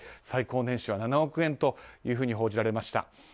最高年収は７億円と報じられました。